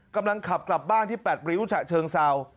กำลังขับกลับบ้านที่แปดริ้วฉะเชิงเศร้า